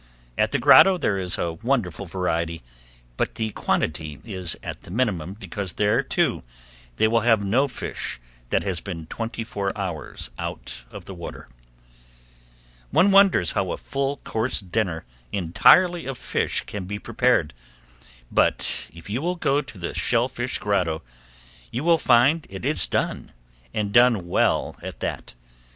At the Grotto there is a wonderful variety but the quantity is at the minimum because there, too, they will have no fish that has been twenty four hours out of the water. One wonders how a full course dinner entirely of fish can be prepared, but if you will go to the Shell Fish Grotto you will find that it is done, and done well at that.